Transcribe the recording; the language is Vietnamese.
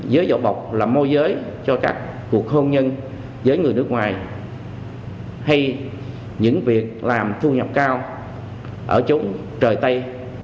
giới dọ bọc là môi giới cho các cuộc hôn nhân với người nước ngoài hay những việc làm thu nhập cao ở chúng trời tây